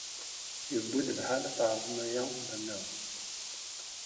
Yessefk ad tɛerḍem aya anda niḍen.